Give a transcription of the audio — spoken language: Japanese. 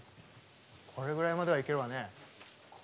これぐらいまではいけるわね。